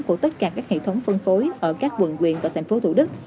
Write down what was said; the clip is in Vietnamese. của tất cả các hệ thống phân phối ở các vườn quyền của tp thủ đức